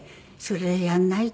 「それやんない？」